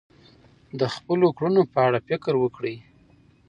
د خپلو کړنو په اړه فکر وکړئ.